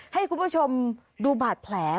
ให้คุณผู้ชมดูบาดแผล